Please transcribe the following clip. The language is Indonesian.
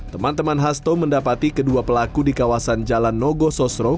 teman teman hasto mendapati kedua pelaku di kawasan jalan nogo sosro